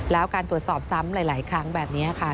แล้วการตรวจสอบซ้ำหลายครั้งแบบนี้ค่ะ